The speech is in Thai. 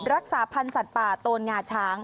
รักษาพันธ์สัตว์ป่าโตนงาช้าง